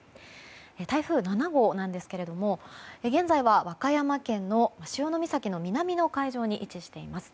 台風７号なんですけども現在は和歌山県の潮岬の南の海上に位置しています。